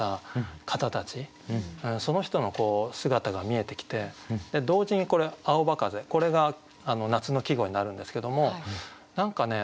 その人の姿が見えてきて同時にこれ「青葉風」これが夏の季語になるんですけども何かね